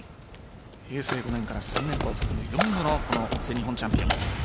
平成５年から３年間４度の全日本チャンピオン。